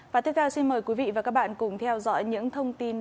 và tiếp theo xin mời quý vị và các bạn cùng theo dõi những thông tin